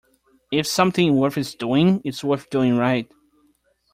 If something worth is doing, it's worth doing right.